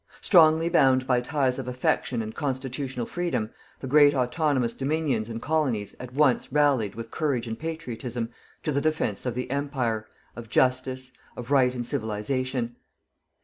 Strongly bound by ties of affection and constitutional freedom, the great autonomous Dominions and Colonies at once rallied with courage and patriotism to the defence of the Empire, of Justice, of Right and Civilization.